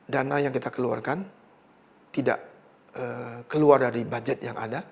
dana yang kita keluarkan tidak keluar dari budget yang ada